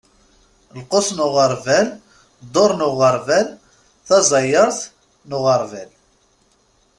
Lqus n uɣerbal, dduṛ n uɣerbal, tazayeṛt n uɣerbal.